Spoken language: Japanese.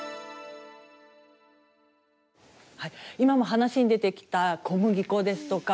今も話に出てきた小麦粉ですとか